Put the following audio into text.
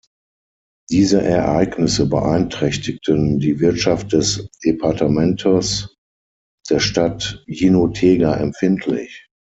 Diese Ereignisse beeinträchtigten die Wirtschaft des Departamentos und der Stadt Jinotega empfindlich.